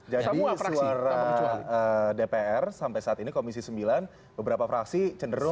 jadi suara dpr sampai saat ini komisi sembilan beberapa fraksi cenderung